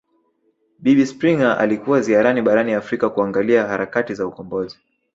Bibi Springer alikuwa ziarani barani Afrika kuangalia harakati za ukombozi